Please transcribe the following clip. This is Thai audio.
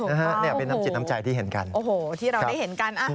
ถูกพร้อมโอ้โหที่เราได้เห็นกันอ่ะทุน